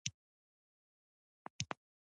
پیرودونکی تل حق لري، حتی که خطا وي.